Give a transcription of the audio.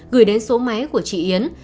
gửi đến số máy của chị yến